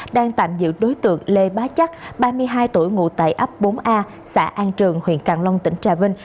đang tạm giữ đối tượng lê bá chắc ba mươi hai tuổi ngụ tại ấp bốn a xã an trường huyện càng long tỉnh trà vinh